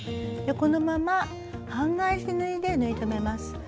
このまま半返し縫いで縫い留めます。